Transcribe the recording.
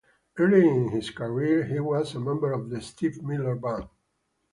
Early in his career he was a member of the Steve Miller Band.